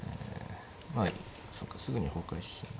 まあそうかすぐに崩壊しちゃう。